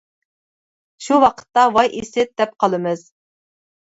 شۇ ۋاقىتتا ۋاي ئىسىت دەپ قالىمىز.